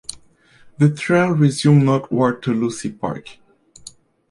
The trail resumes northward to Lucy Park.